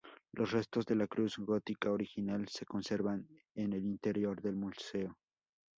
Los restos de la cruz gótica original se conservan en el interior del Museo.